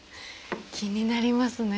気になりますね。